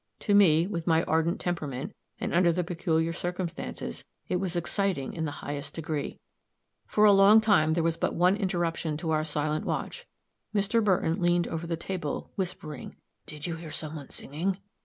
To me, with my ardent temperament, and under the peculiar circumstances, it was exciting in the highest degree. For a long time there was but one interruption to our silent watch. Mr. Burton leaned over the table, whispering, "Did you hear some one singing?"